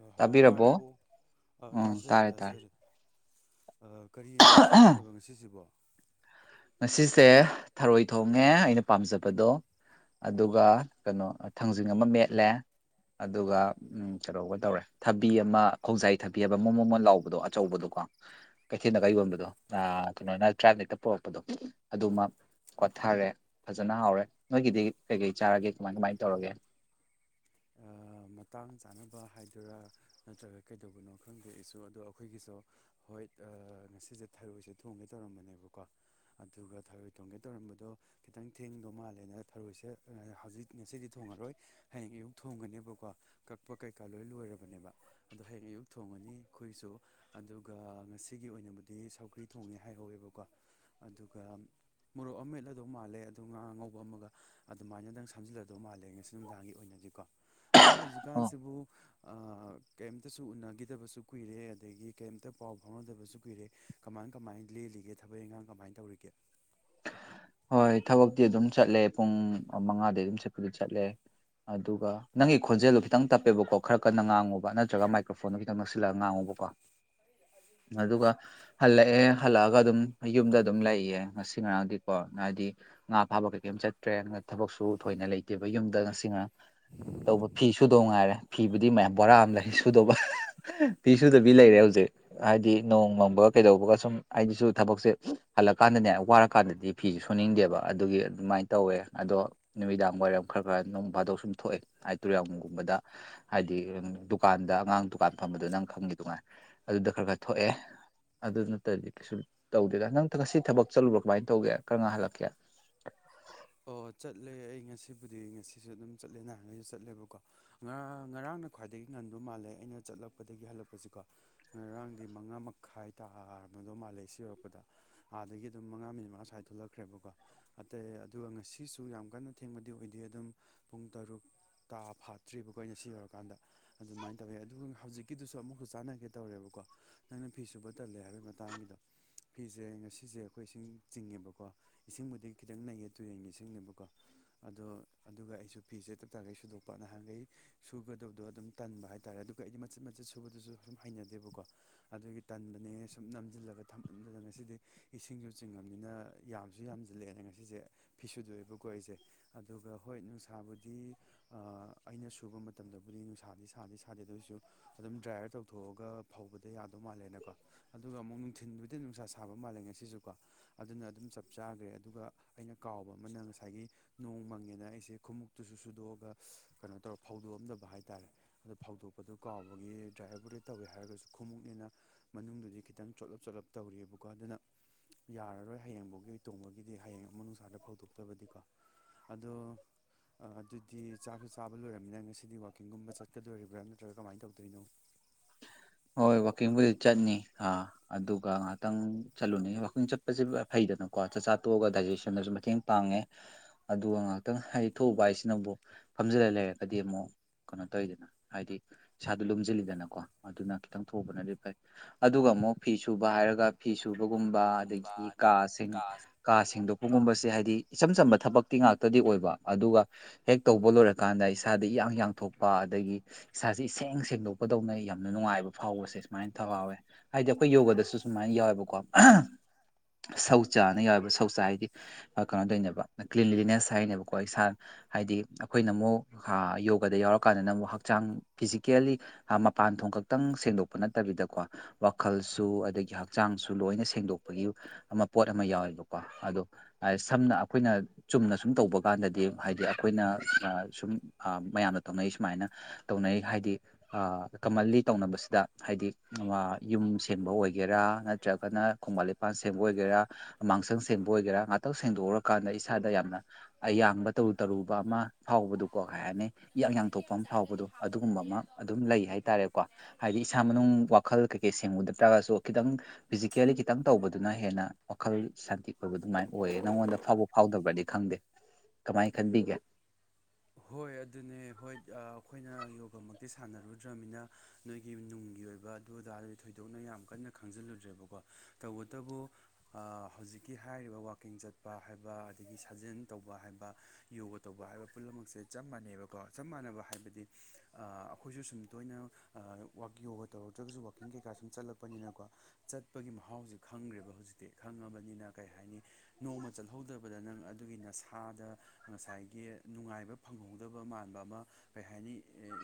ꯑ ꯍꯜꯂꯣ ꯇꯥꯕꯤꯔꯕꯣ ꯇꯥꯔꯕꯣ ꯑ ꯎꯝ ꯇꯥꯖꯔꯦ ꯇꯥꯔꯦ ꯇꯥꯔꯦ ꯇꯥꯖꯔꯦ ꯑ ꯀꯔꯤ ꯍꯤꯟꯖꯥꯡ ꯆꯥꯕꯤꯔꯕ ꯉꯁꯤꯖꯤꯕꯣ ꯉꯁꯤꯁꯦ ꯊꯔꯣꯏ ꯊꯣꯡꯉꯦ ꯑꯩꯅ ꯄꯥꯝꯖꯕꯗꯣ ꯑꯗꯨꯒ ꯀꯩꯅꯣ ꯊꯥꯡꯖꯤꯡ ꯑꯃ ꯃꯦꯠꯂꯦ ꯑꯗꯨꯒ ꯎꯝ ꯈꯗꯧꯕ ꯇꯧꯔꯦ ꯊꯕꯤ ꯑꯃ ꯈꯣꯡꯖꯥꯏ ꯊꯕꯤ ꯍꯥꯏꯕ ꯃꯣ ꯃꯣꯃꯣꯟ ꯂꯥꯎꯕꯗꯣ ꯑꯆꯧꯕꯗꯣꯀꯣ ꯀꯩꯊꯦꯜꯗꯒ ꯌꯣꯟꯕꯗꯣ ꯑꯏ ꯀꯩꯅꯣꯅ ꯇ꯭ꯔꯥꯏ ꯅꯥ ꯍ°ꯛꯇꯥ ꯄꯔꯛꯄꯗꯣ ꯑꯗꯨꯃꯛ ꯀꯣꯊꯔꯦ ꯐꯖꯅ ꯍꯥꯎꯔꯦ ꯅꯣꯏꯒꯤꯗꯤ ꯀꯩ ꯀꯩ ꯆꯥꯔꯒꯦ ꯀꯃꯥꯏ ꯀꯃꯥꯏ ꯇꯧꯔꯒꯦ ꯑꯥ ꯃꯇꯥꯡ ꯆꯥꯅꯕ ꯍꯥꯏꯗꯔꯥ ꯅꯠꯇ꯭ꯔꯒ ꯀꯩꯗꯧꯕꯅꯣ ꯈꯪꯗꯦ ꯑꯩꯁꯨ ꯑꯗꯣ ꯑꯩꯈꯣꯏꯒꯤꯁꯨ ꯍꯣꯏ ꯉꯁꯤꯁꯦ ꯊꯔꯣꯏꯁꯦ ꯊꯣꯡꯒꯦ ꯇꯧꯔꯝꯕꯅꯦꯕꯀꯣ ꯑꯗꯨꯒ ꯊꯔꯣꯏ ꯊꯣꯡꯒꯦ ꯇꯧꯔꯝꯕꯗꯣ ꯈꯤꯇꯪ ꯊꯦꯡꯗꯧ ꯃꯥꯜꯂꯦꯅ ꯊꯔꯣꯏꯁꯦ ꯍꯧꯖꯤꯛ ꯉꯁꯤꯗꯤ ꯊꯣꯡꯉꯔꯣꯏ ꯍꯌꯦꯡ ꯏꯌꯨꯛ ꯊꯣꯡꯒꯅꯦꯕꯀꯣ ꯀꯛꯄ ꯀꯩꯀꯥ ꯂꯣꯏ ꯂꯣꯏꯔꯕꯅꯦꯕ ꯑꯗꯣ ꯍꯌꯦꯡ ꯑꯌꯨꯛ ꯊꯣꯡꯉꯅꯤ ꯑꯩꯈꯣꯏꯁꯨ ꯑꯗꯨꯒ ꯉꯁꯤꯒꯤ ꯑꯣꯏꯅꯕꯨꯗꯤ ꯁꯧꯒ꯭ꯔꯤ ꯊꯣꯡꯉꯦ ꯍꯥꯏꯍꯧꯋꯦꯕꯀꯣ ꯑꯗꯨꯒ ꯃꯣꯔꯣꯛ ꯑꯃ ꯃꯠꯂꯗꯧ ꯃꯥꯜꯂꯦ ꯑꯗꯣ ꯉꯥ ꯑꯉꯧꯕ ꯑꯃꯒ ꯑꯗꯨꯃꯥꯏꯅꯗꯪ ꯁꯝꯖꯤꯜꯂꯗꯧ ꯃꯥꯜꯂꯦ ꯉꯁꯤ ꯅꯨꯡꯗꯥꯡꯒꯤ ꯑꯣꯏ ꯅꯗꯤ ꯀꯣ ꯑꯗꯣ ꯑꯣ ꯍꯧꯖꯤꯛꯀꯥꯟꯁꯤꯕꯨ ꯑꯥ ꯀꯩꯝꯇꯁꯨ ꯎꯅꯈꯤꯗꯕꯁꯨ ꯀꯨꯏꯔꯦ ꯑꯗꯒꯤ ꯀꯩꯝꯇ ꯄꯥꯎ ꯐꯥꯎꯅꯗꯕꯁꯨ ꯀꯨꯏꯔꯦ ꯀꯃꯥꯏ ꯀꯃꯥꯏ ꯂꯦꯜꯂꯤꯒꯦ ꯊꯕꯛ ꯏꯟꯈꯥꯡ ꯀꯃꯥꯏꯅ ꯇꯧꯔꯤꯒꯦ ꯍꯣꯏ ꯊꯕꯛꯇꯤ ꯑꯗꯨꯝ ꯆꯠꯂꯦ ꯄꯨꯡ ꯃꯉꯥꯗ ꯑꯗꯨꯝ ꯆꯠꯄꯗꯤ ꯆꯠꯂꯦ ꯑꯗꯨꯒ ꯅꯪꯒꯤ ꯈꯣꯟꯖꯦꯜꯗꯣ ꯈꯤꯇꯪ ꯇꯞꯄꯦꯕꯀꯣ ꯑꯗꯨꯒꯥ ꯅꯪꯒꯤ ꯈꫭꯟꯖ°ꯗꫭ ꯈꯤꯇꯪ ꯇꯞꯄꯦ ꯄꯥꯀꫭ ꯈꯔ ꯀꯟꯅ ꯉꯥꯡꯉꯨꯕ ꯅꯠꯇ꯭ꯔꯒ ꯃꯥꯏꯀ꯭ꯔꯣꯐꯣꯟꯗꯣ ꯈꯤꯇꯪ ꯅꯛꯁꯤꯜꯂꯒ ꯉꯥꯡꯉꯨꯕꯀꯣ [inaudible] ꯑꯗꯨꯒ ꯍꯜꯂꯛꯑꯦ ꯍꯜꯂꯛꯑꯒ ꯑꯗꯨꯝ ꯌꯨꯝꯗ ꯑꯗꯨꯝ ꯂꯩꯌꯦ ꯉꯁꯤ ꯉꯔꯥꯡꯗꯤ ꯀꯣ ꯍꯥꯏꯗꯤ ꯉꯥ ꯐꯥꯕ ꯀꯩ ꯀꯩꯝ ꯆꯠꯇ꯭ꯔꯦ ꯊꯕꯛꯁꯨ ꯊꯣꯏꯅ ꯂꯩꯇꯦꯕ ꯌꯨꯝꯗ ꯉꯁꯤ ꯉ ꯇꯧꯕ ꯐꯤ ꯁꯨꯗꯧ ꯉꯥꯏꯔꯦ ꯐꯤꯕꯨꯗꯤ ꯃꯌꯥꯝ ꯕꯣꯔꯥ ꯑꯃ ꯂꯩ ꯁꯨꯗꯧꯕ ꯐꯤ ꯁꯗꯕꯤ ꯂꯩꯔꯦ ꯍꯧꯖꯤꯛ ꯍꯥꯏꯗꯤ ꯅꯣꯡ ꯃꯪꯕꯒꯥ ꯀꯩꯗꯧꯕꯒꯥ ꯁꯨꯝ ꯑꯩꯗꯤꯁꯨ ꯊꯕꯛꯁꯦ ꯍꯜꯂꯛꯀꯥꯟꯗꯅꯦ ꯋꯥꯔ ꯀꯥꯟꯗꯗꯤ ꯐꯤꯁꯨ ꯁꯨꯅꯤꯡꯗꯦꯕ ꯑꯗꯨꯒꯤ ꯑꯗꯨꯃꯥꯏꯅ ꯇꯧꯋꯦ ꯑꯗꯣ ꯅꯨꯃꯤꯗꯥꯡ ꯋꯥꯏꯔꯝ ꯈꯔ ꯈꯔ ꯅꯣꯡ ꯐꯥꯗꯣꯛ ꯁꯨꯝ ꯊꯣꯛꯑꯦ ꯍꯥꯏ ꯇꯨꯔꯌꯥꯝꯒꯨꯝꯕꯗ ꯍꯥꯏꯗꯤ ꯗꯨꯀꯥꯟꯗ ꯑꯉꯥꯡ ꯗꯨꯀꯥꯟ ꯐꯝꯕꯗꯨ ꯅꯪ ꯈꯪꯈꯤꯗꯨꯉꯥꯏꯅ ꯑꯗꯨꯗ ꯈꯔ ꯈꯔ ꯊꯣꯛꯑꯦ ꯑꯗꯨ ꯅꯠꯇꯗꯤ ꯀꯩꯁꯨ ꯇꯧꯗꯦꯗ ꯅꯪ ꯉꯁꯤ ꯊꯕꯛ ꯆꯠꯂꯨꯕ꯭ꯔꯥ ꯀꯃꯥꯏꯅ ꯇꯧꯒꯦ ꯀꯔꯝ ꯀꯥꯟꯗꯥ ꯍꯜꯂꯛꯀꯦ ꯑꯣ ꯆꯠꯂꯦ ꯑꯩ ꯉꯁꯤꯕꯨꯗꯤ ꯉꯁꯤꯁꯨ ꯑꯗꯨꯝ ꯆꯠꯂꯦ ꯅꯍꯥꯟꯈꯩꯁꯨ ꯆꯠꯂꯦꯕꯀꯣ ꯉꯥꯡ ꯉꯔꯥꯡꯅ ꯈ꯭ꯋꯥꯏꯗꯒꯤ ꯉꯟꯕ ꯃꯥꯜꯂꯦ ꯑꯩꯅ ꯆꯠꯂꯛꯄꯗꯒꯤ ꯍꯜꯂꯛꯄꯁꯤꯀꯣ ꯉꯔꯥꯡꯗꯤ ꯃꯉꯥ ꯃꯈꯥꯏ ꯇꯥꯔꯝꯃꯗꯣ ꯃꯥꯜꯂꯦ ꯁꯤ ꯌꯧꯔꯛꯄꯗ ꯑꯥꯗꯒꯤ ꯑꯗꯨꯝ ꯃꯉꯥ ꯃꯤꯅꯤꯠ ꯃꯉꯥ ꯁ꯭ꯋꯥꯏ ꯊꯣꯛꯂꯛꯈ꯭ꯔꯦꯕꯀꯣ ꯑꯇꯩ ꯑꯗꯨꯒ ꯉꯁꯤꯁꯨ ꯌꯥꯝ ꯀꯟꯅ ꯊꯦꯡꯕꯗꯤ ꯑꯣꯏꯗꯦ ꯑꯗꯨꯝ ꯄꯨꯡ ꯇꯔꯨꯛ ꯀꯥ ꯐꯥꯠꯇ꯭ꯔꯤꯕꯀꯣ ꯑꯩꯅ ꯁꯤ ꯌꯧꯔꯀꯥꯟꯗ ꯑꯗꯨꯃꯥꯏꯅ ꯇꯧꯋꯦ ꯑꯗꯨꯒ ꯍꯧꯖꯤꯛꯀꯤꯗꯁꯨ ꯑꯃꯨꯛꯁꯨ ꯆꯥꯟꯅꯒꯦ ꯇꯧꯔꯦꯕꯀꯣ ꯅꯪꯅ ꯐꯤ ꯁꯨꯕ ꯇꯜꯂꯦ ꯍꯥꯏꯕꯒꯤ ꯃꯇꯥꯡꯒꯤꯗꯣ ꯐꯤꯁꯦ ꯉꯁꯤꯁꯦ ꯑꯩꯈꯣꯏ ꯏꯁꯤꯡ ꯆꯤꯡꯉꯦꯕꯀꯣ ꯏꯁꯤꯡꯕꯨꯗꯤ ꯈꯤꯇꯪ ꯅꯩꯌꯦ ꯇꯨꯔꯦꯟꯒꯤ ꯏꯁꯤꯡꯅꯦꯕꯀꯣ ꯑꯗꯣ ꯑꯗꯨꯒ ꯑꯩꯁꯨ ꯐꯤꯁꯦ ꯇꯞ ꯇꯥꯈꯩ ꯁꯨꯗꯣꯛꯄ ꯅꯍꯥꯟꯈꯩ ꯁꯨꯒꯗꯕꯗꯣ ꯑꯗꯨꯝ ꯇꯟꯕ ꯍꯥꯏꯇꯥꯔꯦ ꯑꯗꯨꯒ ꯑꯩꯗꯤ ꯃꯆꯤꯠ ꯃꯆꯤꯠ ꯁꯨꯕꯗꯨꯁꯨ ꯁꯨꯝ ꯍꯩꯅꯗꯦꯕꯀꯣ ꯑꯗꯨꯒꯤ ꯇꯟꯕꯅꯦꯅ ꯁꯨꯝ ꯅꯝꯁꯤꯜꯂꯒ ꯊꯝꯕꯗꯨꯗ ꯉꯁꯤꯗꯤ ꯏꯁꯤꯡꯁꯨ ꯆꯤꯡꯉꯅꯤꯅ ꯌꯥꯝꯁꯨ ꯌꯥꯝꯁꯤꯜꯂꯛꯑꯦꯅ ꯉꯁꯤꯁꯦ ꯐꯤ ꯁꯨꯗꯣꯛꯑꯕꯀꯣ ꯑꯩꯁꯦ ꯑꯗꯨꯒ ꯍꯣꯏ ꯅꯨꯡꯁꯥꯕꯨꯗꯤ ꯑꯥ ꯑꯩꯅ ꯁꯨꯕ ꯃꯇꯝꯗꯕꯨꯗꯤ ꯅꯨꯡꯁꯥꯗꯤ ꯁꯥꯗꯤ ꯁꯥꯗꯦ ꯑꯗꯨ ꯑꯣꯏꯁꯨ ꯑꯗꯨꯝ ꯗ꯭ꯔꯥꯏꯌꯔ ꯇꯧꯊꯣꯛꯑꯒ ꯐꯧꯕꯗ ꯌꯥꯗꯧ ꯃꯥꯜꯂꯦꯅꯀꯣ ꯑꯗꯨꯒ ꯑꯃꯨꯛ ꯅꯨꯡꯊꯤꯟꯕꯨꯗꯤ ꯅꯨꯡꯁꯥ ꯁꯥꯕ ꯃꯥꯜꯂꯦ ꯉꯁꯤꯁꯨꯀꯣ ꯑꯗꯨꯅ ꯑꯗꯨꯝ ꯆꯞ ꯆꯥꯈ꯭ꯔꯦ ꯑꯗꯨꯒ ꯑꯩꯅ ꯀꯥꯎꯕ ꯑꯃꯅ ꯉꯁꯥꯏꯒꯤ ꯅꯣꯡ ꯃꯪꯉꯦꯅ ꯑꯩꯁꯦ ꯈꯃꯨꯛꯇꯇꯨꯁꯨ ꯁꯨꯗꯣꯛꯑꯒ ꯀꯩꯅꯣ ꯇꯧꯔ ꯐꯧꯗꯣꯛꯑꯝꯗꯕ ꯍꯥꯏ ꯇꯔꯦ [inaudible] ꯐꯥꯎꯗꯣꯛꯄꯗꯨ ꯀꯥꯎꯕꯒꯤ ꯗ꯭ꯔꯥꯏꯕꯔꯕꯨꯗꯤ ꯇꯧꯋꯦ ꯍꯥꯏꯔꯒꯁꯨ ꯈꯨꯣꯡꯃꯨꯛꯅꯤꯅ ꯃꯅꯨꯡꯗꯨꯗꯤ ꯈꯤꯇꯪ ꯆꯣꯠꯂꯞ ꯆꯣꯠꯂꯞ ꯇꯧꯔꯤꯑꯕꯀꯣ ꯑꯗꯨꯅ ꯌꯥꯔꯔꯣꯏ ꯍꯌꯦꯡꯐꯥꯎꯒꯤ ꯇꯣꯡꯕꯒꯤꯗꯤ ꯍꯌꯦꯡ [unintelligible] ꯇꯕꯗꯤꯀꯣ ꯑꯗꯣ ꯑꯗꯨꯗꯤ ꯆꯥꯛꯁꯨ ꯆꯥꯕ ꯂꯣꯏꯔꯕꯃꯤꯅ ꯉꯁꯤꯗꯤ ꯋꯀꯤꯡꯒꯨꯝꯕ ꯆꯠꯀꯗꯣꯔꯤꯕ꯭ꯔꯥ ꯅꯠꯇ꯭ꯔꯒ ꯀꯃꯥꯏꯅ ꯇꯧꯗꯣꯏꯅꯣ [inaudible] ꯍꯣꯏ ꯋꯥꯛꯀꯤꯡꯕꯨꯗꯤ ꯆꯠꯅꯤ ꯑꯥ ꯑꯗꯨꯒ ꯉꯍꯥꯛꯇꯪ ꯆꯠꯂꯨꯅꯤ ꯋꯥꯛꯀꯤꯡ ꯆꯠꯄꯁꯦ ꯐꯩꯗꯅꯀꯣ ꯆꯥꯛꯆꯥ ꯇꯣꯛꯑꯒ ꯗꯥꯏꯖꯦꯁꯟꯗꯁꯨ ꯃꯇꯦꯡ ꯄꯥꯡꯉꯦ ꯑꯗꯨꯒ ꯉꯥꯏꯍꯥꯛꯇꯪ ꯍꯥꯏꯗꯤ ꯊꯣꯛꯎꯕ ꯍꯥꯏꯁꯤꯅꯕꯨ ꯐꯝꯖꯤꯜꯂ ꯂꯩꯔꯒꯗꯤ ꯑꯃꯨꯛ ꯀꯩꯅꯣ ꯇꯧꯋꯤꯗꯅ ꯍꯥꯏꯗꯤ ꯏꯁꯥꯗ ꯂꯣꯝꯁꯤꯜꯂꯤꯗꯅꯀꯣ ꯑꯗꯨꯅ ꯈꯤꯇꯪ ꯊꯣꯛꯎꯕꯅꯗꯤ ꯐꯩ ꯑꯗꯨꯒ ꯑꯃꯨꯛ ꯐꯤ ꯁꯨꯕ ꯍꯥꯏꯔꯒ ꯐꯤ ꯁꯨꯕꯒꯨꯝꯕ ꯒꯨꯝꯕ ꯑꯗꯒꯤ ꯑꯗꯩ ꯀꯥ ꯁꯤꯡ ꯀꯥ ꯁꯦꯡꯗꯣꯛꯄꯒꯨꯝꯕꯁꯦ ꯍꯥꯏꯗꯤ ꯏꯆꯝ ꯆꯝꯕ ꯊꯕꯛꯇꯤ ꯉꯥꯛꯇꯗꯤ ꯑꯣꯏꯕ ꯑꯗꯨꯒ ꯍꯦꯛ ꯇꯧꯕ ꯂꯣꯏꯔꯀꯥꯟꯗ ꯏꯁꯥꯗ ꯏꯌꯥꯡ ꯌꯥꯡꯊꯣꯛꯄ ꯑꯗꯒꯤ ꯏꯁꯥꯁꯦ ꯏꯁꯦꯡ ꯁꯦꯡꯗꯣꯛꯄꯗꯧꯅ ꯌꯥꯝꯅ ꯅꯨꯡꯉꯥꯏꯕ ꯐꯥꯎꯕꯁꯦ ꯁꯨꯃꯥꯏꯅ ꯐꯥꯎꯋꯦ ꯍꯥꯏꯗꯤ ꯑꯩꯈꯣꯏ ꯌꯣꯒꯗꯁꯨ ꯁꯨꯃꯥꯏꯅ ꯌꯥꯎꯋꯦꯕꯀꯣ [unintelligible] ꯁꯧꯆꯥꯥꯅ ꯌꯥꯎꯋꯦꯕ ꯁꯧꯆꯥ ꯍꯥꯏꯗꯤ ꯀꯩꯅꯣ ꯇꯣꯏꯅꯦꯕ ꯀ꯭ꯂꯤꯟꯂꯤꯅꯦꯁ ꯍꯥꯏꯅꯦꯕꯀꯣ ꯏꯁꯥ ꯍꯥꯏꯗꯤ ꯑꯩꯈꯣꯏꯅ ꯑꯃꯨꯛ [unintelligible] ꯌꯣꯒꯗ ꯌꯥꯎꯔꯀꯥꯟꯗꯅ ꯑꯃꯨꯛ ꯍꯛꯆꯥꯡ ꯐꯤꯖꯤꯀꯦꯜꯂꯤ ꯃꯄꯥꯟ ꯊꯣꯡ ꯈꯛꯇꯪ ꯁꯦꯡꯗꯣꯛꯄ ꯅꯠꯇꯕꯤꯗꯀꯣ ꯋꯥꯈꯜꯁꯨ ꯑꯗꯒꯤ ꯍꯛꯆꯥꯡꯁꯨ ꯂꯣꯏꯅ ꯁꯦꯡꯗꯣꯛꯄꯒꯤ ꯑꯃ ꯄꯣꯠ ꯑꯃ ꯌꯥꯎꯋꯦ ꯀꯣ ꯑꯗꯣ ꯁꯝꯅ ꯑꯩꯈꯣꯏꯅ ꯆꯨꯝꯅ ꯁꯨꯝ ꯇꯧꯕ ꯀꯥꯟꯗꯗꯤ ꯍꯥꯏꯗꯤ ꯑꯩꯈꯣꯏꯅ ꯁꯨꯝ ꯃꯌꯥꯝꯅ ꯇꯧꯅꯩ ꯁꯨꯃꯥꯏꯅ ꯇꯧꯅꯩ ꯍꯥꯏꯗꯤ ꯀꯃꯟꯂꯤ ꯇꯧꯅꯕꯁꯤꯗ ꯍꯥꯏꯗꯤ [unintelligible] ꯌꯨꯝ ꯁꯦꯡꯕ ꯑꯣꯏꯒꯦꯔꯥ ꯅꯠꯇ꯭ꯔꯒꯅ ꯈꯣꯡꯕꯥꯟ ꯂꯤꯄꯥꯟ ꯁꯦꯡꯕ ꯑꯣꯏꯒꯦꯔꯥ ꯑꯃꯥꯡꯁꯪ ꯁꯦꯡꯕ ꯑꯣꯏꯒꯦꯔꯥ ꯉꯥꯛꯇꯪ ꯁꯦꯡꯗꯣꯛꯎꯔꯀꯥꯟꯗ ꯏꯁꯥꯗ ꯌꯥꯝꯅ ꯑꯌꯥꯡꯕ ꯇꯔꯨ ꯇꯔꯨꯕ ꯑꯃ ꯐꯥꯎꯕꯗꯨ ꯀꯣ ꯀꯩ ꯍꯥꯏꯅꯤ ꯏꯌꯥꯡ ꯌꯥꯡꯊꯣꯛꯄ ꯑꯃ ꯐꯥꯎꯕꯗꯣ ꯑꯗꯨꯒꯨꯝꯕ ꯑꯃ ꯑꯗꯨꯝ ꯂꯩ ꯍꯥꯏꯇꯥꯔꯦꯀꯣ ꯍꯥꯏꯗꯤ ꯏꯁꯥ ꯏꯁꯥ ꯃꯅꯨꯡ ꯋꯥꯈꯜ ꯀꯩꯀꯩ ꯁꯦꯡꯕ ꯅꯠꯇꯥꯔꯒꯁꯨ ꯈꯤꯇꯪ ꯐꯤꯖꯤꯀꯦꯜꯂꯤ ꯈꯤꯇꯪ ꯇꯧꯕꯗꯨꯅ ꯍꯦꯟꯅ ꯋꯥꯈꯜ ꯁꯥꯟꯇꯤ [unintelligible] ꯑꯗꯨꯃꯥꯏꯅ ꯑꯣꯏꯌꯦ ꯅꯪꯉꯣꯟꯗ ꯐꯥꯎꯕ ꯐꯥꯎꯗꯕ꯭ꯔꯗꯤ ꯈꯪꯗꯦ ꯀꯃꯥꯏꯅ ꯈꯟꯕꯤꯒꯦ ꯍꯣꯏ ꯑꯗꯨꯅꯦ ꯍꯣꯏ ꯑꯩꯈꯣꯏꯅ ꯌꯣꯒꯃꯛꯇꯤ ꯁꯥꯟꯅꯔꯨꯗ꯭ꯔꯃꯤꯅ ꯅꯣꯏꯒꯤ ꯅꯨꯡꯒꯤ ꯑꯣꯏꯕ ꯑꯗꯨ ꯑꯗꯥꯗꯤ ꯊꯣꯏꯗꯣꯛꯅ ꯌꯥꯝ ꯀꯟꯅ ꯈꯪꯖꯤꯜꯂꯨꯗ꯭ꯔꯦꯕꯀꯣ ꯇꯧꯕꯇꯕꯨ ꯑꯥ ꯍꯧꯖꯤꯛꯀꯤ ꯍꯥꯏꯔꯤꯕ ꯋꯀꯤꯡ ꯆꯠꯄ ꯍꯥꯏꯕ ꯑꯗꯒꯤ ꯁꯥꯖꯦꯜ ꯇꯧꯕ ꯍꯥꯏꯕ ꯌꯣꯒ ꯇꯧꯕ ꯍꯥꯏꯕ ꯄꯨꯝꯅꯃꯛ ꯁꯦ ꯆꯞ ꯃꯥꯟꯅꯩꯕꯀꯣ ꯆꯞ ꯃꯥꯟꯅꯕ ꯍꯥꯏꯕꯗꯤ ꯑꯥ ꯑꯩꯈꯣꯏꯁꯨ ꯁꯨꯝ ꯇꯣꯏꯅ ꯑꯥ ꯋꯥꯛ ꯌꯣꯒ ꯇꯧꯔꯛꯇ꯭ꯔꯒꯁꯨ ꯋꯥꯛꯀꯤꯡ ꯀꯩꯀꯥ ꯁꯨꯝ ꯆꯠꯂꯛꯄꯅꯤꯅꯀꯣ ꯆꯠꯄꯒꯤ ꯃꯍꯥꯎꯁꯦ ꯈꯪꯈ꯭ꯔꯦꯕ ꯍꯧꯖꯤꯛꯇꯤ ꯈꯪꯉꯕꯅꯤꯅ ꯀꯩ ꯍꯥꯏꯅꯤ ꯅꯣꯡꯃ ꯆꯠꯍꯧꯗꯕꯗ ꯅꯪ ꯑꯗꯨꯒꯤ ꯅꯁꯥꯗ ꯉꯁꯥꯏꯒꯤ ꯅꯨꯡꯉꯥꯏꯕ ꯐꯪꯍꯧꯗꯕ ꯃꯥꯟꯕ ꯑꯃ ꯀꯩ ꯍꯥꯏꯅꯤ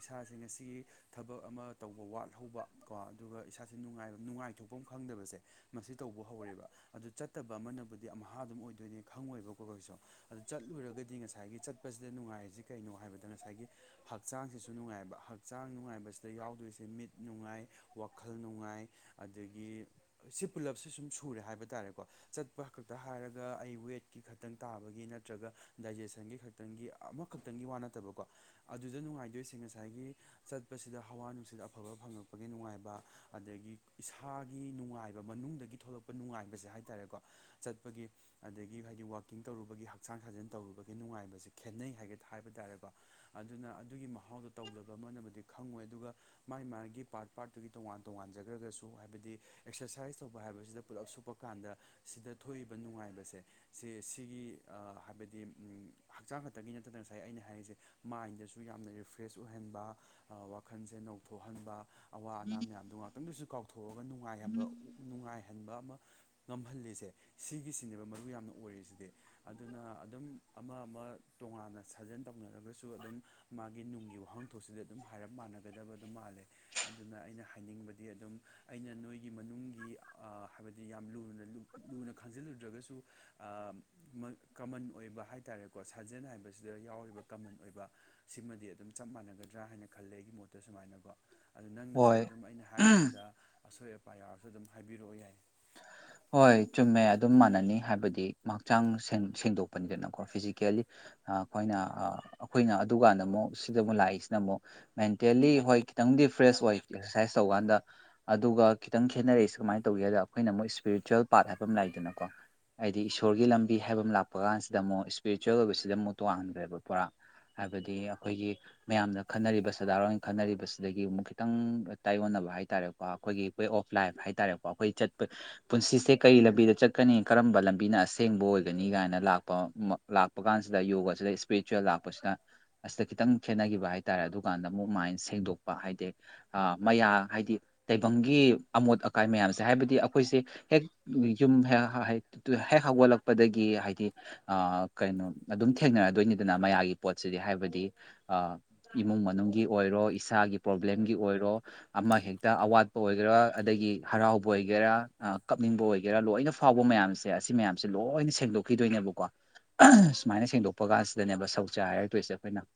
ꯏꯁꯥꯁꯤ ꯉꯁꯤꯒꯤ ꯊꯕꯛ ꯑꯃ ꯇꯧꯕ ꯋꯥꯠꯍꯧꯕ ꯀꯣ ꯑꯗꯨꯒ ꯏꯁꯥꯁꯦ ꯅꯨꯡꯉꯥꯏ ꯅꯨꯡꯉꯥꯏꯊꯣꯛꯐꯝ ꯈꯪꯗꯕꯁꯦ ꯃꯁꯤ ꯇꯧꯕ ꯍꯧꯔꯦꯕ ꯑꯗꯨ ꯆꯠꯇꯕ ꯑꯃꯅꯕꯨꯗꯤ ꯑꯃꯍꯥ ꯑꯗꯨꯝ ꯑꯣꯏꯗꯣꯏꯅꯦ ꯈꯪꯉꯣꯏꯕꯀꯣ ꯑꯩꯈꯣꯏꯁꯨ ꯑꯗꯨ ꯆꯠꯂꯨꯔꯒꯗꯤ ꯉꯁꯥꯏꯒꯤ ꯆꯠꯄꯁꯤꯗ ꯅꯨꯡꯉꯥꯏꯔꯤꯁꯤ ꯀꯩꯅꯣ ꯍꯥꯏꯕꯗ ꯉꯁꯥꯏꯒꯤ ꯍꯛꯆꯥꯡꯁꯤꯁꯨ ꯅꯨꯡꯉꯥꯏꯕ ꯍꯛꯆꯥꯡ ꯅꯨꯡꯉꯥꯏꯕꯁꯤꯗ ꯌꯥꯎꯗꯣꯏꯁꯦ ꯃꯤꯠ ꯅꯨꯡꯉꯥꯏ ꯋꯥꯈꯜ ꯅꯨꯡꯉꯥꯏ ꯑꯗꯒꯤ ꯁꯤ ꯄꯨꯜꯂꯞꯁ ꯁꯨꯝ ꯁꯨꯔꯦ ꯍꯥꯏꯕ ꯇꯥꯔꯦ ꯀꯣ ꯆꯠꯄ ꯈꯛꯇ ꯍꯥꯏꯔꯒ ꯑꯩ ꯋꯦꯠꯀꯤ ꯈꯛꯇꯪ ꯇꯥꯕꯒꯤ ꯅꯠꯇ꯭ꯔꯒ ꯗꯥꯏꯖꯦꯁꯟꯒꯤ ꯈꯛꯇꯪꯒꯤ ꯑꯃꯨꯛ ꯈꯛꯇꯪꯒꯤ ꯋꯥ ꯅꯠꯇꯕꯀꯣ ꯑꯗꯨꯗ ꯅꯨꯡꯉꯥꯏꯗꯣꯏꯁꯦ ꯉꯁꯥꯏꯒꯤ ꯆꯠꯄꯁꯤꯗ ꯍꯋꯥ ꯅꯨꯡꯁꯤꯠ ꯑꯐꯕ ꯐꯪꯉꯛꯄꯒꯤ ꯅꯨꯡꯉꯥꯏꯕ ꯑꯗꯒꯤ ꯏꯁꯥꯒꯤ ꯅꯨꯡꯉꯥꯏꯕ ꯃꯅꯨꯡꯗꯒꯤ ꯊꯣꯛꯂꯛꯄ ꯅꯨꯡꯉꯥꯏꯕꯁꯦ ꯍꯥꯏꯇꯥꯔꯦꯀꯣ꯫ ꯆꯠꯄꯒꯤ ꯑꯗꯒꯤ ꯍꯥꯏꯗꯤ ꯋꯥꯀꯤꯡ ꯇꯧꯔꯨꯕꯒꯤ ꯍꯛꯆꯥꯡ ꯁꯥꯖꯟ ꯇꯧꯔꯨꯕꯒꯤ ꯅꯨꯡꯉꯥꯏꯕꯕꯁꯤ ꯈꯦꯠꯅꯩ ꯍꯥꯏꯒꯗ ꯍꯥꯏꯕ ꯇꯥꯔꯦꯀꯣ ꯑꯗꯨꯅ ꯑꯗꯨꯒꯤ ꯃꯍꯥꯎꯗꯣ ꯇꯧꯗꯕ ꯑꯃꯅꯕꯨꯗꯤ ꯈꯪꯉꯣꯏ ꯑꯗꯨꯒ ꯃꯥꯥꯏ ꯃꯥꯒꯤ ꯄꯥꯔꯠ ꯄꯥꯔꯠꯇꯨꯒꯤ ꯇꯣꯉꯥꯟ ꯇꯣꯉꯥꯟꯖꯈ꯭ꯔꯒꯁꯨ ꯍꯥꯏꯕꯗꯤ ꯑꯦꯛꯁꯔꯁꯥꯏꯁ ꯇꯧꯕ ꯍꯥꯏꯕꯁꯤꯗ ꯄꯨꯜꯂꯞ ꯁꯨꯞꯄꯛ ꯀꯥꯟꯗ ꯁꯤꯗ ꯊꯣꯛꯏꯕ ꯅꯨꯡꯉꯥꯏꯕꯁꯦ ꯁꯦ ꯁꯤꯒꯤ ꯍꯥꯏꯕꯗꯤ ꯍꯛꯆꯥꯡ ꯈꯛꯇꯒꯤ ꯅꯠ ꯅꯠꯇꯅ ꯉꯁꯥꯏ ꯑꯩꯅ ꯍꯥꯏꯔꯤꯁꯦ ꯃꯥꯏꯟꯗꯁꯨ ꯌꯥꯝꯅ ꯔꯤꯐ꯭ꯔꯦꯁ ꯑꯣꯏꯍꯟꯕ꯫ ꯑꯥ ꯋꯥꯈꯟꯁꯦ ꯅꯧꯊꯣꯛꯍꯟꯕꯥ꯫ ꯑꯋꯥ ꯑꯅꯥ ꯃꯌꯥꯝꯗꫭ ꯉꯥꯛꯇꯪꯗꯨꯁꯨ ꯀꯥꯎꯊꯣꯛꯑꯒ ꯅꯨꯡꯉꯥꯏꯍꯟꯕ ꯅꯨꯡꯉꯥꯏꯍꯟꯕ ꯑꯃ ꯉꯝꯍꯜꯂꯤꯁꯦ ꯁꯤꯒꯤꯁꯤꯅꯦꯕ ꯃꯔꯨ ꯌꯥꯝꯅ ꯑꯣꯏꯔꯤꯁꯤꯗꯤ ꯑꯗꯨꯅ ꯑꯗꯨꯝ ꯑꯃ ꯑꯃ ꯇꯣꯉꯥꯟꯅ ꯁꯥꯖꯦꯟ ꯇꯧꯅꯔꯒꯁꯨ ꯑꯗꯨꯝ ꯃꯥꯒꯤ ꯅꯨꯡꯒꯤ ꯋꯥꯍꯟꯊꯣꯛꯁꯤꯗ ꯑꯗꯨꯝ ꯍꯥꯏꯔꯞ ꯃꯥꯟꯅꯒꯗꯕ ꯑꯗꯨꯝ ꯃꯥꯜꯂꯦ꯫ ꯑꯗꯨꯅ ꯑꯩꯅ ꯍꯥꯏꯅꯤꯡꯕꯗꯤ ꯑꯗꯨꯝ ꯑꯩꯅ ꯅꯣꯏꯒꯤ ꯃꯅꯨꯡꯒꯤ ꯑꯥ ꯍꯥꯏꯕꯗꯤ ꯌꯥꯝ ꯂꯨꯅ ꯂꯨ ꯂꯨꯅ ꯈꯪꯖꯤꯜꯂꯨꯗ꯭ꯔꯒꯁꯨ ꯑ ꯃ ꯀꯃꯟ ꯑꯣꯏꯕ ꯍꯥꯏꯇꯥꯔꯦꯀꯣ ꯁꯥꯏ ꯁꯥꯖꯦꯟ ꯍꯥꯏꯕꯁꯤꯗ ꯌꯥꯎꯔꯤꯕ ꯀꯃꯟ ꯑꯣꯏꯕ ꯁꯤꯃꯗꯤ ꯑꯗꯨꯝ ꯆꯞ ꯃꯥꯟꯅꯒꯗ꯭ꯔꯥ ꯍꯥꯏꯅ ꯈꯜꯂꯦ ꯑꯩꯒꯤ ꯃꯣꯠꯇ ꯁꯨꯃꯥꯏꯅꯀꯣ꯫ ꯑꯗꯨ ꯅꯪꯅꯁꯨ ꯍꯣꯏ ꯑꯗꯨꯝ ꯑꯩꯅ ꯍꯥꯏꯔꯤꯁꯤꯗꯥ ꯑꯁꯣꯏ ꯑꯄꯥ ꯌꯥꯎꯔꯁꯨ ꯑꯗꯨꯝ ꯍꯥꯏꯕꯤꯔꯛꯑꯣ ꯌꯥꯏ꯫ ꯍꯣꯏ ꯆꯨꯝꯃꯦ ꯑꯗꯨꯝ ꯃꯥꯟꯅꯅꯤ ꯍꯥꯏꯕꯗꯤ ꯃꯍꯛꯆꯥꯡ ꯁꯦꯡꯗꯣꯛꯄꯅꯤꯗꯅꯀꯣ ꯐꯤꯖꯤꯀꯦꯜꯂꯤ꯫ ꯑ ꯈꯣꯏꯅ ꯑꯈꯣꯏꯅ ꯑꯗꯨꯀꯥꯟꯗ ꯑꯃꯨꯛ ꯁꯤꯗ ꯑꯃꯨꯛ ꯂꯥꯛꯏꯁꯤꯅ ꯑꯃꯨꯛ ꯃꯦꯟꯇꯦꯜꯂꯤ ꯍꯣꯏ ꯈꯤꯇꯪꯗꯤ ꯐ꯭ꯔꯦꯁ ꯈꯤꯇꯪꯗꯤ ꯑꯣꯏ [inaudible] ꯁꯥꯏꯁ ꯇꯧꯀꯥꯟꯗ ꯑꯗꯨꯒ ꯈꯤꯇꯪ ꯈꯦꯠꯅꯔꯛꯏꯁꯦ ꯀꯃꯥꯏꯅ ꯇꯧꯒꯦꯗ ꯑꯩꯈꯣꯏꯅ ꯃꯨꯛ ꯁ ꯁ꯭ꯄꯤꯔꯤꯆꯨꯋꯦꯜ ꯄꯥꯠ ꯍꯥꯏꯕ ꯑꯃ ꯂꯩꯗꯅꯀꯣ꯫ ꯍꯥꯏꯗꯤ ꯏꯁꯣꯔꯒꯤ ꯂꯝꯕꯤ ꯍꯥꯏꯕ ꯑꯃ ꯂꯥꯛꯄ ꯀꯥꯟꯁꯤꯗ ꯑꯃꯨꯛ ꯏꯁꯄꯤꯔꯤꯆꯨꯋꯦꯜ ꯑꯣꯏꯕꯁꯤꯗ ꯑꯃꯨꯛ ꯇꯣꯉꯟꯈ꯭ꯔꯦꯕ ꯄꯨꯔꯥ꯫ ꯍꯥꯏꯕꯗꯤ ꯑꯩꯈꯣꯏꯒꯤ ꯃꯌꯥꯝꯅ ꯈꯟꯅꯔꯤꯕ ꯁꯗꯥꯔꯣꯟ ꯈꯟꯅꯔꯤꯕꯁꯤꯗꯒꯤ ꯑꯃꯨꯛ ꯈꯤꯇꯪ ꯇꯥꯏꯌꯣꯟꯅꯕ ꯍꯥꯏꯇꯥꯔꯦ꯫ ꯀꯣ ꯑꯩꯈꯣꯏꯒꯤ ꯋꯦ ꯑꯣꯐ ꯂꯥꯏꯐ ꯍꯥꯏꯇꯥꯔꯦꯀꯣ ꯑꯩꯈꯣꯏ ꯆꯠꯄ ꯄꯨꯟꯁꯤꯁꯦ ꯀꯔꯤ ꯂꯝꯕꯤꯗ ꯆꯠꯀꯅꯤ ꯀꯔꯝꯕ ꯂꯝꯕꯤꯅ ꯑꯁꯦꯡꯕ ꯑꯣꯏꯒꯅꯤ ꯀꯥꯏꯅ ꯂꯥꯛꯄ ꯃ ꯂꯥꯛꯄ ꯀꯥꯟꯁꯤꯗ ꯌꯣꯒꯁꯤꯗ ꯏꯁꯄꯤꯔꯤꯆꯨꯋꯦꯜ ꯂꯥꯛꯄꯁꯤꯅ ꯑꯁꯤꯗ ꯈꯤꯇꯪ ꯈꯦꯠꯅꯈꯤꯕ ꯍꯥꯏ ꯇꯔꯦ ꯑꯗꯨꯀꯥꯟꯗ ꯑꯃꯨꯛ ꯃꯥꯏꯟ ꯁꯦꯡꯗꯣꯛꯄ ꯍꯥꯏꯗꯤ ꯃꯌꯥ ꯍꯥꯏꯗꯤ ꯇꯩꯕꯪꯒꯤ ꯑꯃꯣꯠ ꯑꯀꯥꯏ ꯃꯌꯥꯝꯁꯦ ꯍꯥꯏꯕꯗꯤ ꯑꯩꯈꯣꯏꯁꯦ ꯍꯥꯏꯕꯗꯤ ꯍꯦꯛ ꯌꯨꯝ ꯍꯦꯛ ꯍ ꯍꯦꯛ ꯍꯧꯒꯠꯂꯛꯄꯗꯒꯤ ꯍꯥꯏꯗꯤ ꯑ ꯀꯩꯅꯣ ꯑꯗꯨꯝ ꯊꯦꯡꯅꯔꯗꯣꯏꯅꯤꯗꯅ ꯃꯌꯥꯒꯤ ꯄꯣꯠꯁꯤꯗꯤ ꯍꯥꯏꯕꯗꯤ ꯑꯥ ꯏꯃꯨꯡ ꯃꯅꯨꯡꯒꯤ ꯑꯣꯏꯔꯣ ꯏꯁꯥꯒꯤ ꯄ꯭ꯔꯣꯕ꯭ꯂꯦꯝꯒꯤ ꯑꯣꯏꯔꯣ꯫ ꯑꯃ ꯍꯦꯛꯇ ꯑꯋꯥꯠꯄ ꯑꯣꯏꯒꯦꯔꯥ ꯑꯗꯒꯤ ꯍꯔꯥꯎꯕ ꯑꯣꯏꯒꯦꯔꯥ ꯑ ꯀꯞꯅꯤꯡꯕ ꯑꯣꯏꯒꯦꯔꯥ ꯂꯣꯏꯅ ꯐꯥꯎꯕ ꯃꯌꯥꯝꯁꯦ ꯑꯁꯤ ꯃꯌꯥꯝꯁꯦ ꯂꯣꯏꯅ ꯁ ꯁꯦꯡꯗꯣꯛꯈꯤꯗꯣꯏꯅꯦꯕꯀꯣ [unintelligible] ꯁꯨꯃꯥꯏꯅ ꯁꯦꯡꯗꯣꯛꯄ ꯀꯥꯟꯁꯤꯗꯅꯦꯕ ꯁꯧ ꯆ ꯍꯥꯏꯔꯛꯇꯣꯏꯁꯦ ꯑꯩꯈꯣꯏꯅ ꯍꯦ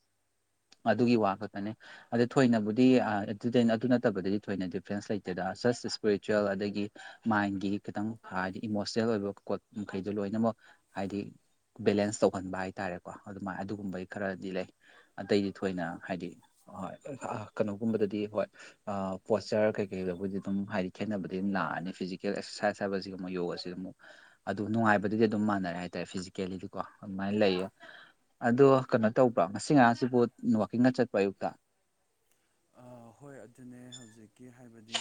ꯑꯗꯨꯒꯤ ꯋꯥ ꯈꯛꯇꯅꯦ꯫ ꯑꯗ ꯊꯣꯏꯅꯕꯨꯗꯤ ꯑ ꯑꯗꯨꯗ ꯑꯗꯨ ꯅꯠꯇꯕꯗꯗꯤ ꯊꯣꯏꯅ ꯗꯤꯐ꯭ꯔꯦꯟꯁ ꯂꯩꯇꯦꯗ ꯖꯁ ꯏꯁ꯭ꯄꯤꯔꯤꯆꯨꯋꯦꯜ ꯑꯗꯒꯤ ꯃꯥꯏꯟꯒꯤ ꯈꯤꯇꯪ ꯍꯥꯏꯗꯤ ꯏꯃꯣꯁꯅꯦꯜ ꯑꯣꯏꯕ ꯄꯣꯠ ꯃꯈꯩꯗꯨꯣ ꯂꯣꯏꯅꯃꯛ ꯍꯥꯏꯗꯤ ꯕꯦꯂꯦꯟꯁ ꯇꯧꯍꯟꯕ ꯍꯥꯏꯇꯥꯔꯦꯀꯣ ꯑꯗꯨꯃꯥꯏ ꯑꯗꯨꯒꯨꯝꯕꯒꯤ ꯈꯔꯗꯤ ꯂꯩ ꯑꯇꯩꯗꯤ ꯊꯣꯏꯅ ꯍꯥꯏꯗꯤ ꯍꫭꯏ ꯑ ꯑ ꯀꯩꯅꯣꯒꯨꯝꯕꯗꯗꯤ ꯍꯣꯏ ꯑ ꯄꯣꯁꯆꯔ ꯀꯩ ꯀꯩꯗꯕꯨꯣꯏꯗꯤ ꯑꯗꯨꯝ ꯍꯥꯏꯗꯤ ꯈꯦꯠꯅꯕꯗꯤ ꯑꯗꯨꯝ ꯂꯥꯛꯑꯅꯤ ꯐꯤꯖꯤꯛ ꯀꯦꯜ ꯑꯦꯛꯁꯔꯁꯥꯏꯁ ꯍꯥꯏꯕꯁꯤꯒ ꯑꯃꯨꯛ ꯌꯣꯒꯁꯤ ꯑꯃꯨꯛ ꯑꯗꯨ ꯅꯨꯡꯉꯥꯏꯕꯗꯨꯗꯤ ꯑꯗꯨꯝ ꯃꯥꯟꯅꯔꯦ ꯍꯥꯏꯇꯥꯔꯦ ꯐꯤꯖꯤꯀꯦꯜꯂꯤꯗꯤꯀꯣ ꯑꯗꯨꯃꯥꯏꯅ ꯂꯩꯌꯦ꯫ ꯑꯗꯣ ꯀꯩꯅꯣ ꯇꯧꯕ꯭ꯔꯥ ꯉꯁꯤ ꯉꯔꯥꯡꯁꯤꯕꯨ ꯋꯥꯋꯀꯤꯡꯒ ꯆꯠꯄ ꯑꯌꯨꯛꯇ꯫ ꯑꯥ ꯍꯣꯏ ꯑꯗꯨꯅꯦ ꯍꯧꯖꯤꯛꯀꯤ ꯍꯥꯏꯕꯗꯤ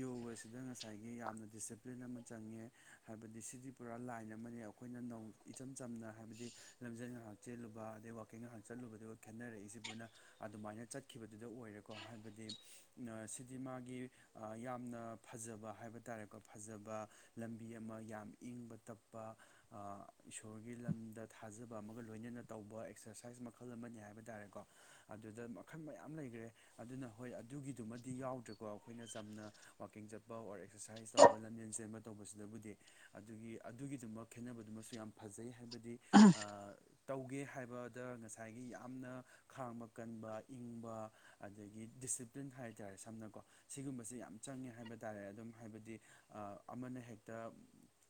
ꯌꯣꯒꯁꯤꯗ ꯉꯁꯥꯏꯒꯤ ꯌꯥꯝꯅ ꯗꯤꯁꯁꯤꯞ ꯄ꯭ꯂꯤꯟ ꯑꯃ ꯆꯪꯉꯦ ꯍꯥꯏꯕꯗꯤ ꯁꯤꯗꯤ ꯄꯨꯔꯥ ꯂꯥꯏꯟ ꯑꯃꯅꯦ ꯑꯈꯣꯏꯅ ꯅꯩ ꯏꯆꯝ ꯆꯝꯅ ꯍꯥꯏꯕꯗꯤ ꯂꯝꯖꯦꯟ ꯉꯥꯏꯍꯥꯛ ꯆꯦꯜꯂꯨꯕ ꯑꯗꯩ ꯋꯥꯛꯀꯤꯡ ꯉꯥꯏꯍꯥꯛ ꯆꯠꯂꯨꯕꯗꯨꯒ ꯈꯦꯠꯅꯔꯛꯏꯁꯤꯕꯨꯅ ꯑꯗꯨꯃꯥꯏꯅ ꯆꯠꯈꯤꯕꯗꯨꯗ ꯑꯣꯏꯔꯦꯀꯣ ꯍꯥꯏꯕꯗꯤ [unintelligible] ꯅꯥ ꯁꯤꯗꯤ ꯃꯥꯒꯤ ꯑꯥ ꯌꯥꯝꯅ ꯐꯖꯕ ꯍꯥꯏꯕ ꯇꯥꯔꯦꯀꯣ ꯐꯖꯕ ꯂꯝꯕꯤ ꯑꯃ ꯌꯥꯝ ꯏꯪꯕ ꯇꯞꯄ ꯑꯥ ꯏꯁꯣꯔꯒꯤ ꯂꯝꯗ ꯊꯥꯖꯕ ꯑꯃꯒ ꯂꯣꯏꯅꯅ ꯇꯧꯕ ꯑꯦꯛꯁꯔꯁꯥꯏꯁ ꯃꯈꯜ ꯑꯃꯅꯤ ꯍꯥꯏꯕ ꯇꯥꯔꯦꯀꯣ꯫ ꯑꯗꯨꯗ ꯃꯈꯟ ꯃꯌꯥꯝ ꯂꯩꯒ꯭ꯔꯦ ꯑꯗꯨꯅ ꯍꯣꯏ ꯑꯗꯨꯒꯤꯗꯨꯃꯗꯤ ꯌꯥꯎꯗ꯭ꯔꯦꯀꯣ ꯑꯈꯣꯏꯅ ꯆꯝꯅ ꯋꯥꯛꯀꯤꯡ ꯆꯠꯄ ꯑꯣꯔ ꯑꯦꯛꯁꯔꯁꯥꯏꯁ ꯇꯧꯕ ꯂꯝꯖꯦꯟ ꯆꯦꯟꯕ ꯇꯧꯕꯁꯤꯗꯕꯨꯗꯤ ꯑꯗꯨꯒꯤ ꯑꯗꯨꯒꯤꯗꯨꯃ ꯈꯦꯠꯅꯕꯗꯨꯃꯁꯨ ꯌꯥꯝ ꯐꯖꯩ ꯍꯥꯏꯕꯗꯤ ꯑꯥ ꯇꯧꯒꯦ ꯍꯥꯏꯕꯗ ꯉꯁꯥꯏꯒꯤ ꯌꯥꯝꯅ ꯈꯥꯡꯕ ꯀꯟꯕ ꯏꯤꯡꯕ ꯑꯗꯒꯤ ꯗꯤꯁꯁꯤꯄ꯭ꯂꯤꯟ ꯍꯥꯏꯇꯥꯔꯦ ꯁꯝꯅꯀꯣ ꯁꯤꯒꯨꯝꯕꯁꯦ ꯌꯥꯝ ꯆꯪꯉꯦ ꯍꯥꯏꯕ ꯇꯥꯔꯦ ꯑꯗꯨꯝ ꯍꯥꯏꯕꯗꯤ ꯑꯥ ꯑꯃꯅ ꯍꯦꯛꯇ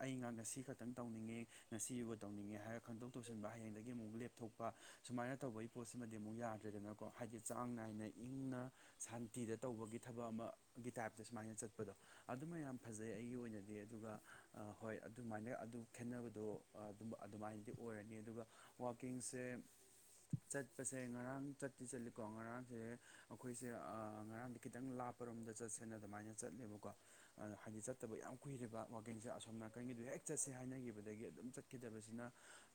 ꯑꯩꯥꯉꯛ ꯉꯁꯤ ꯈꯛꯇꯪ ꯇꯧꯅꯤꯡꯉꯦ ꯉꯁꯤ ꯌꯨꯕ ꯇꯧꯅꯤꯡꯉꯦ ꯍꯥꯏꯔ ꯈꯪꯗꯧ ꯇꯧꯁꯤꯟꯕ ꯍꯌꯦꯡꯗꯒꯤ ꯑꯃꯨꯛ ꯂꯦꯞꯊꯣꯛ ꯄꯥ ꯁꯨꯃꯥꯏꯅ ꯇꯧꯕꯒꯤ ꯄꯣꯠꯁꯤꯃꯗꯤ ꯑꯃꯨꯛ ꯌꯥꯗ꯭ꯔꯦꯗꯅꯀꯣ ꯍꯥꯏꯗꯤ ꯆꯥꯡ ꯅꯥꯏꯅ ꯏꯤꯡꯅ ꯁꯥꯟꯇꯤꯗ ꯇꯧꯕꯒꯤ ꯊꯕꯛ ꯑꯃ ꯒꯤ ꯇꯥꯏꯞꯇ ꯁꯨꯃꯥꯏꯅ ꯆꯠꯄꯗꯣ ꯑꯗꯨꯃ ꯌꯥꯝ ꯐꯖꯩ ꯑꯩꯒꯤ ꯑꯣꯏꯅꯗꯤ ꯑꯗꯨꯒ ꯑꯥ ꯍꯣꯏ ꯑꯗꯨꯃꯥꯏꯅꯒ ꯑꯗꯨ ꯈꯦꯠꯅꯕꯗꯣ ꯑꯥ ꯗꯨꯝ ꯑꯗꯨꯃꯥꯏꯅꯗꯤ ꯑꯣꯏꯔꯅꯤ ꯑꯗꯨꯒ ꯋꯥꯛꯀꯤꯡꯁꯦ ꯆꯠꯄꯁꯦ ꯉꯔꯥꯡ ꯆꯠꯇꯤ ꯆꯠꯂꯤꯀꯣ ꯉꯔꯥꯡꯁꯦ ꯑꯈꯣꯏꯁꯦ ꯑꯥ ꯉꯔꯥꯡꯗꯤ ꯈꯤꯇꯪ ꯂꯥꯞꯄꯔꯣꯝꯗ ꯆꯠꯁꯦꯅ ꯑꯗꯨꯃꯥꯏꯅ ꯆꯠꯂꯦꯕꯀꯣ ꯑꯥ ꯍꯥꯏꯗꯤ ꯆꯠꯇꯕ ꯌꯥꯝ ꯀꯨꯏꯔꯦꯕ ꯋꯥꯛꯀꯤꯡꯁꯦ ꯑꯁꯣꯝꯅ ꯀꯟꯒꯤꯗꯨ ꯍꯦꯛ ꯆꯠꯁꯦ ꯍꯥꯏꯅꯈꯤꯕꯗꯒꯤ ꯑꯗꯨꯝ ꯆꯠꯈꯤꯗꯕꯁꯤꯅ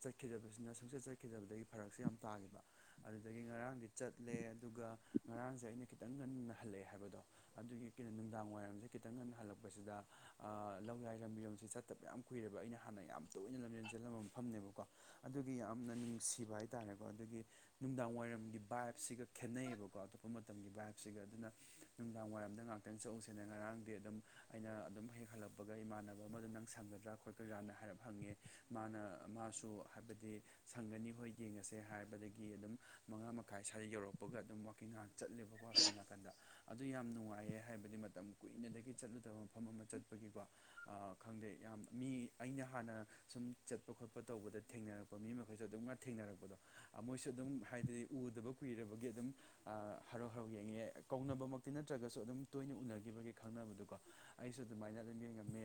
ꯆꯠꯈꯤꯗꯕꯁꯤꯅ ꯁꯨꯡꯆꯠ ꯆꯠ ꯈꯤꯗꯕꯗꯒꯤ ꯐꯔꯛꯁꯨ ꯌꯥꯝ ꯇꯥꯈꯤꯕ ꯑꯗꯨꯗꯒꯤ ꯉꯔꯥꯡꯗꯤ ꯆꯠꯂꯦ ꯑꯗꯨꯒ ꯉꯔꯥꯡꯁꯦ ꯑꯩꯅ ꯈꯤꯇꯪ ꯉꯟꯅꯍꯜꯂꯛꯑꯦ ꯍꯥꯏꯕꯗꯣ ꯑꯗꯨꯒꯤ ꯀꯤꯅꯣ ꯅꯨꯡꯗꯥꯡ ꯋꯥꯏꯔꯝꯁꯦ ꯈꯤꯇꯪ ꯉꯟꯅ ꯍꯜꯂꯛꯄꯁꯤꯗ ꯑꯥ ꯂꯧꯌꯥꯏ ꯂꯝꯕꯤꯔꯣꯝꯁꯦ ꯆꯠ ꯇꯞ ꯌꯥꯝ ꯀꯨꯏꯔꯦꯕ ꯑꯩꯅ ꯍꯥꯟꯅ ꯌꯥꯝ ꯇꯣꯏꯅ ꯂꯝꯖꯦꯟ ꯆꯦꯜꯂꯝꯕ ꯃꯐꯝꯅꯦꯕꯀꯣ ꯑꯗꯨꯒꯤ ꯌꯥꯝꯅ ꯅꯨꯡꯁꯤꯕ ꯍꯥꯏꯇꯥꯥꯔꯦꯀꯣ ꯑꯗꯨꯒꯤ ꯅꯨꯡꯗꯥꯡ ꯋꯥꯏꯔꯝꯒꯤ ꯚꯥꯏꯞꯁꯤꯒ ꯈꯦꯠꯅꯩꯌꯦꯕ ꯀꯣ ꯑꯇꯣꯞꯄ ꯃꯇꯝꯒꯤ ꯚꯥꯏꯞꯁꯤꯒ ꯑꯗꯨꯅ ꯅꯨꯡꯗꯥꯡ ꯋꯥꯏꯔꯝꯗ ꯉꯥꯛꯇꯪ ꯆꯠꯎꯁꯦꯅ ꯉꯔꯥꯡꯗꯤ ꯑꯗꯨꯝ ꯑꯩꯅ ꯑꯗꯨꯝ ꯍꯦꯛ ꯍꯜꯂꯛꯄꯒ ꯏꯃꯥꯟꯅꯕ ꯑꯃ ꯑꯗꯨꯝ ꯅꯪ ꯁꯪꯒꯗ꯭ꯔꯥ ꯈꯣꯠ [unintelligible] ꯍꯥꯏꯔꯞ ꯍꯪꯉꯦ ꯃꯥꯅ ꯃꯥꯁꯨ ꯍꯥꯏꯕꯗꯤ ꯁꯪꯒꯅꯤ ꯍꯣꯏ ꯌꯦꯡꯉꯁꯦ ꯍꯥꯏꯕꯗꯒꯤ ꯑꯗꯨꯝ ꯃꯉꯥ ꯃꯈꯥꯏ ꯁ꯭ꯋꯥꯏꯗ ꯌꯧꯔꯛꯄꯒ ꯑꯗꯨꯝ ꯋꯥꯛ ꯀꯤ ꯉꯛ ꯆꯠꯂꯦꯕꯀꯣ ꯁꯣꯝ ꯅꯥꯀꯟꯗ ꯑꯗꯨ ꯌꯥꯝ ꯅꯨꯡꯉꯥꯏꯌꯦ ꯍꯥꯏꯕꯗꯤ ꯃꯇꯝ ꯀꯨꯏꯅꯗꯒꯤ ꯆꯠꯂꯨꯗꯕ ꯐꯝ ꯑꯃ ꯆꯠꯄꯒꯤꯀꯣ ꯑꯥ ꯈꯪꯗꯦ ꯌꯥꯝ ꯃꯤ ꯑꯩꯅ ꯍꯥꯟꯅ ꯁꯨꯝ ꯆꯠꯄ ꯈꯣꯠꯄ ꯇꯧꯕꯗ ꯊꯦꯡꯅꯔꯞ ꯄꯥ ꯃꯤ ꯃꯈꯩꯁꯨ ꯑꯗꯨꯝ ꯉꯥ ꯊꯦꯡꯅꯔꯛꯄꯗꯣ ꯑꯥ ꯃꯣꯏꯁꯨ ꯑꯗꯨꯝ ꯍꯥꯏꯗꯤ ꯎꯗꯕ ꯀꯨꯏꯔꯕꯒꯤ ꯑꯗꯨꯝ ꯑꯥ ꯍꯔꯥꯎ ꯍꯔꯥꯎ ꯌꯦꯡꯉꯦ ꯀꯧꯅꯕꯃꯛꯇꯤ ꯅꯠꯇ꯭ꯔꯒꯁꯨ ꯑꯗꯨꯝ ꯇꯣꯏꯅ ꯎꯅꯈꯤꯕꯒꯤ ꯈꯪꯅꯕꯗꯨꯀꯣ ꯑꯩꯁꯨ ꯑꯗꯨꯃꯥꯏꯅ ꯑꯗꯨꯝ ꯌꯦꯡꯉꯝꯃꯦ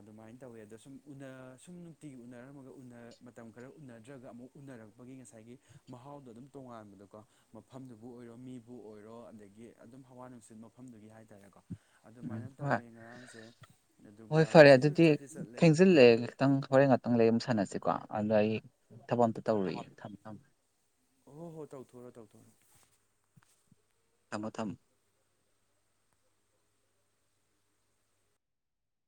ꯑꯗꯨꯃꯥꯏꯟ ꯇꯧꯋꯦ ꯑꯗꯣ ꯁꯨꯝ ꯎꯅꯥ ꯁꯨꯝ ꯅꯨꯡꯇꯤꯒꯤ ꯎꯅꯔꯝꯃꯒ ꯎꯅꯥ ꯃꯇꯝ ꯈꯔ ꯎꯅꯗ꯭ꯔꯒ ꯑꯃꯨꯛ ꯎꯅꯔꯛꯄꯒꯤ ꯉꯁꯥꯏꯒꯤ ꯃꯍꯥꯎꯗꯣ ꯑꯗꯨꯝ ꯇꯣꯉꯥꯟꯕꯗꯣꯀꯣ ꯃꯐꯝꯗꯨ ꯕꯨ ꯑꯣꯏꯔꯣ ꯃꯤꯕꯨ ꯑꯣꯏꯔꯣ ꯑꯗꯒꯤ ꯑꯗꯨꯝ ꯍꯋꯥ ꯅꯨꯡꯁꯤꯠ ꯃꯐꯝꯗꯨꯒꯤ ꯍꯥꯏꯇꯥꯔꯦꯀꯣ ꯎꯝ ꯑꯗꯨꯃꯥꯏꯅ ꯇꯧꯋꯦ ꯍꯣꯏ ꯉꯔꯥꯡꯁꯦ ꯑꯗꯨꯒ ꯉꯁꯤꯁꯨ ꯆꯠꯇꯤ ꯆꯠꯂꯦ ꯁꯤꯜꯂꯦꯒ ꯈꯤꯇꯪ ꯍꯣꯔꯦꯟ ꯉꯥꯛꯇꯪ ꯂꯩ ꯑꯃꯨꯛ ꯁꯥꯟꯅꯁꯦꯀꯣ ꯑꯗꯣ ꯑꯩ ꯊꯕꯛ ꯑꯝꯇ ꯇꯧꯔꯨꯒꯤꯒꯦ ꯊꯝꯃꯦ ꯊꯝꯃꯦ ꯑꯣ ꯍꯣ ꯍꯣ ꯇꯧꯊꯣꯛꯔꯣ ꯇꯧꯊꯣꯛꯔꯣ ꯊꯝꯃꯣ ꯊꯝ